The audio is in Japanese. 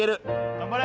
頑張れ！